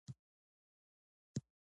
د استعفا ټول موارد ورباندې تطبیق کیږي.